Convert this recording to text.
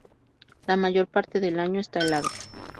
La mayor parte del año está helado.